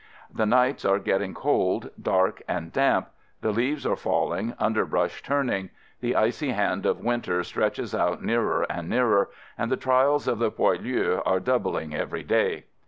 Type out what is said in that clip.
The nights are getting cold, dark and damp. The leaves are falling, underbrush turning — the icy hand of winter stretches out nearer and nearer — and the trials of the poilus are doubling every day.